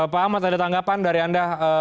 pak ahmad ada tanggapan dari anda